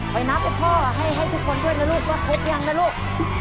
ไปนับค่าให้ทุกคนด้วยลูกว่าถูกอย่างน่ะลูก